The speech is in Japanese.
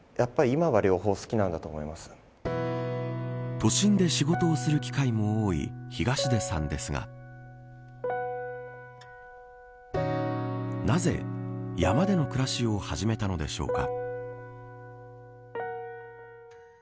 都心で仕事をする機会も多い東出さんですがなぜ、山での暮らしを始めたのでしょうか。